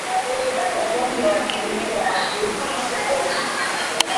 Ugonjwa wa kimeta kwa mbuzi na kondoo